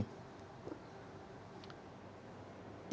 ada ini gimana menurut anda posisi seperti ini